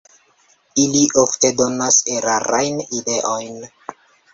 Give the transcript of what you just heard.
Ili ofte donas erarajn ideojn.